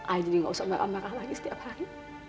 ayah jadi gak usah marah marah lagi setiap hari